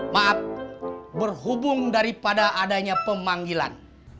maaf berhubung daripada adanya pemanggilan